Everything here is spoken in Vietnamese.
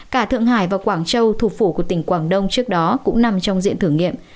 cả thượng hải và quảng châu thủ phủ của tỉnh quảng đông trước đó cũng nằm trong diện thử nghiệm